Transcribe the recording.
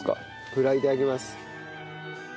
フライいただきます。